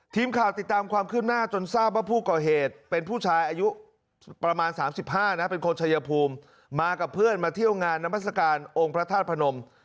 ทีมข่าวติดตามความคืบหน้าจนทราบว่าผู้ก่อเหตุเป็นผู้ชายอายุประมาณ๓๕นะเป็นคนชายภูมิมากับเพื่อนมาเที่ยวงานนามัศกาลองค์พระธาตุพนม